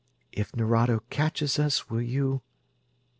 "If Nerado catches us, will you...."